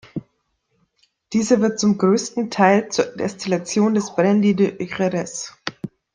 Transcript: Dieser wird zum größten Teil zur Destillation des Brandy de Jerez.